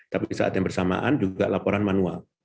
tapi saat yang bersamaan juga laporan manual